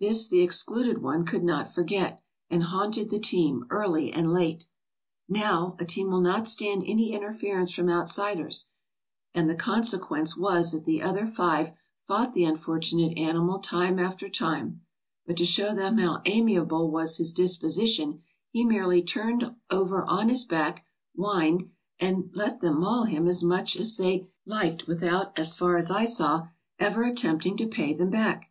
This the excluded one could not forget, and haunted the team, early and late. Now, a team will not stand any inter ference from outsiders, and the consequence was that the other five fought the unfortunate animal time after time; but to show them how amiable was his disposition, he merely turned over on his back, whined, and let them maul him as much at they liked without, as far as I saw, ever attempting to pay them back.